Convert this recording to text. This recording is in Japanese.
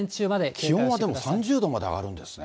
気温はでも３０度まで上がるんですね。